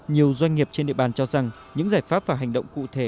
nhiều doanh nghiệp trên địa bàn cho rằng những giải pháp và hành động cụ thể